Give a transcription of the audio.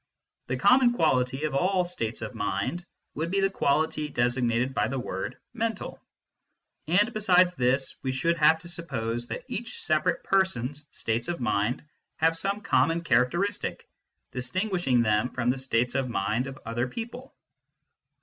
The common quality of all states of mind would be the quality designated by the word " mental "; and besides this we should have to suppose that each separate person s states of mind have some common characteristic distin guishing them from the states of mind of other people.